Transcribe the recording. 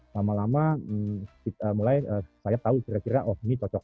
lama lama saya tahu kira kira ini cocok